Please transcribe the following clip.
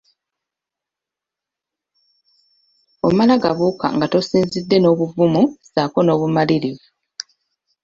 Omala gabuuka nga tosinzidde n'obuvumu ssaako n'obumalirivu.